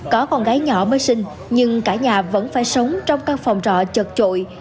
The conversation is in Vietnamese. có con gái nhỏ mới sinh nhưng cả nhà vẫn phải sống trong căn phòng trọ chật chội